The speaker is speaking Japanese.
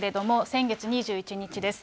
先月２１日です。